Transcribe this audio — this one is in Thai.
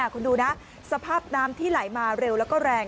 คุณดูนะสภาพน้ำที่ไหลมาเร็วแล้วก็แรง